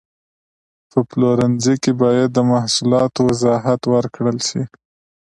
په پلورنځي کې باید د محصولاتو وضاحت ورکړل شي.